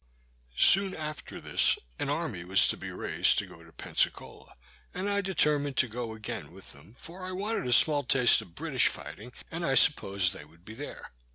Soon after this, an army was to be raised to go to Pensacola, and I determined to go again with them, for I wanted a small taste of British fighting, and I supposed they would be there.